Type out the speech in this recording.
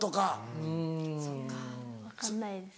・うん・分かんないです。